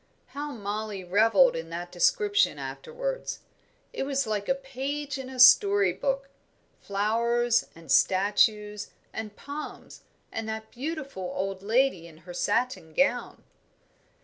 How Mollie revelled in that description afterwards; it was like a page in a story book flowers and statues and palms, and that beautiful old lady in her satin gown.